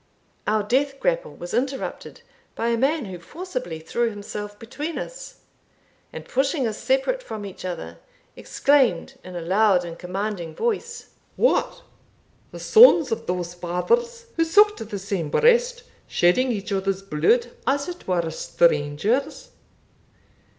Our death grapple was interrupted by a man who forcibly threw himself between us, and pushing us separate from each other, exclaimed, in a loud and commanding voice, "What! the sons of those fathers who sucked the same breast shedding each others bluid as it were strangers'!